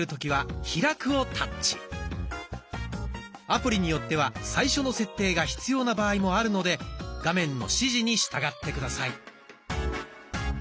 アプリによっては最初の設定が必要な場合もあるので画面の指示に従って下さい。